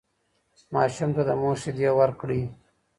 ماشوم ته د مور شیدې ورکړئ.